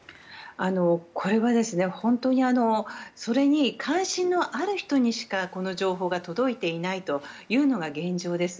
これは本当にそれに関心のある人にしかこの情報が届いていないというのが現状です。